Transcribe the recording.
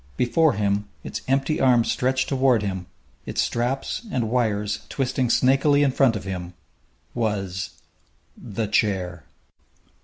Before him, its empty arms stretched toward him, its straps and wires twisting snakily in front of him, was The Chair!